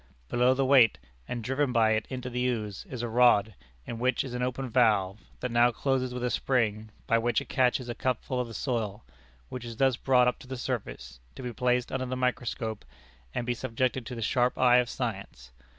Below the weight, and driven by it into the ooze, is a rod, in which is an open valve, that now closes with a spring, by which it catches a cupful of the soil, which is thus brought up to the surface, to be placed under the microscope, and be subjected to the sharp eye of science.